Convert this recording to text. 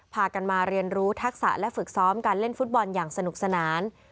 พากันมาเรียนรู้ทักษะและฝึกซ้อมการเล่นฟุตบอลอย่างสนุกสนาน